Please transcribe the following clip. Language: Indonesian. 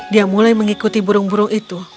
dia mulai mengikuti burung burung itu